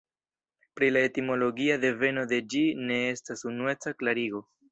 Pri la etimologia deveno de ĝi ne estas unueca klarigo.